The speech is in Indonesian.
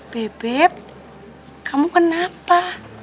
bebep kamu kenapa